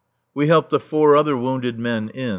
We helped the four other wounded men in.